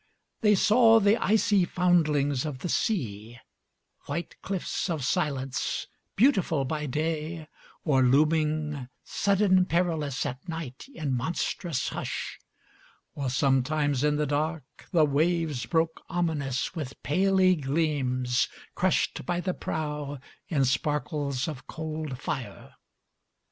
They saw the icy foundlings of the sea, White cliffs of silence, beautiful by day, Or looming, sudden perilous, at nightIn monstrous hush; or sometimes in the darkThe waves broke ominous with paly gleamsCrushed by the prow in sparkles of cold fire.